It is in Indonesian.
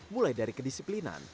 mulai dari kedisiplinan